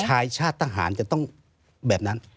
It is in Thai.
ชายชาติทหารจะต้องแบบนั้น